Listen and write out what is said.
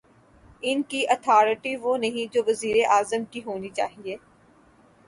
ان کی اتھارٹی وہ نہیں جو وزیر اعظم کی ہونی چاہیے۔